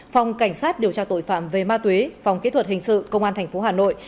phòng cảnh sát điều tra tội phạm về ma túy phòng kỹ thuật hình sự công an tp hà nội